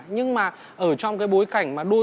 nhưng mà ở trong cái bối cảnh mà đôi